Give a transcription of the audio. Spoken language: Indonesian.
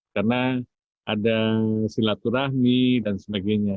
karena ada silaturahmi dan sebagainya